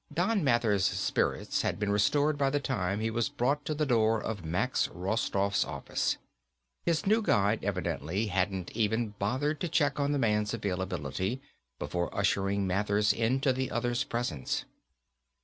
Don Mathers' spirits had been restored by the time he was brought to the door of Max Rostoff's office. His new guide evidently hadn't even bothered to check on the man's availability, before ushering Mathers into the other's presence.